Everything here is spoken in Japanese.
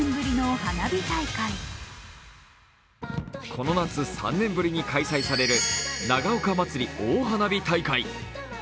この夏３年ぶりに開催される長岡まつり大花火大会。